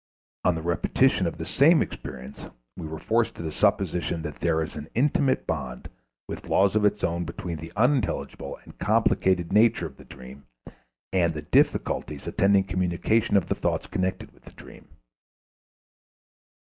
On the repetition of this same experience we were forced to the supposition that there is an _intimate bond, with laws of its own, between the unintelligible and complicated nature of the dream and the difficulties attending communication of the thoughts connected with the dream_.